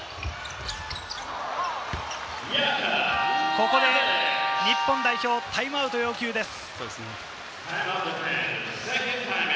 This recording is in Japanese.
ここで日本代表、タイムアウトを要求です。